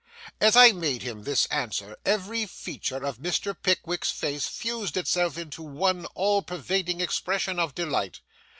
As I made him this answer every feature of Mr. Pickwick's face fused itself into one all pervading expression of delight.